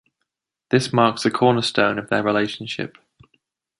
This marks a cornerstone of their relationship.